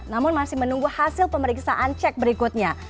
namun masih menunggu hasil pemeriksaan cek berikutnya